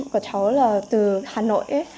của cháu là từ hà nội ấy